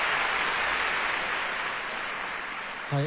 はい。